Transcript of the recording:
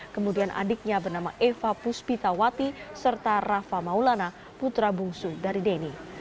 kemudian adiknya bernama eva puspitawati serta rafa maulana putra bungsu dari denny